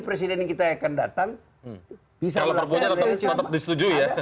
presiden kita akan datang kalau perpunya tetap disetujui ya